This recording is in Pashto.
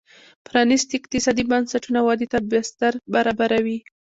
پرانیستي اقتصادي بنسټونه ودې ته بستر برابروي.